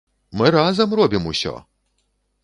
Мы разам робім усё!